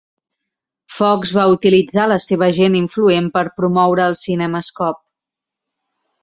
Fox va utilitzar la seva gent influent per promoure el CinemaScope.